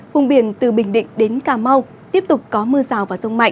vùng biển từ bình định đến cà mau tiếp tục có mưa rào và rông mạnh